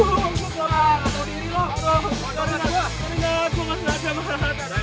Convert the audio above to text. maaf nat maaf nat gua gak sengaja